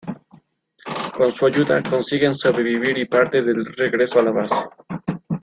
Con su ayuda, consiguen sobrevivir y parten de regreso a la base.